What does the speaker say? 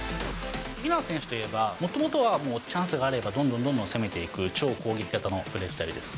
平野選手といえば、もともとはもうチャンスがあればどんどんどんどん攻めていく、超攻撃型のプレースタイルです。